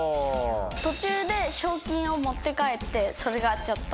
途中で賞金を持って帰ってそれがちょっと。